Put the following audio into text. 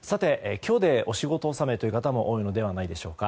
今日で仕事納めという方も多いのではないでしょうか。